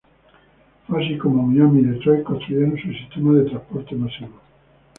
Fue así como Miami y Detroit construyeron su sistema de transporte masivo.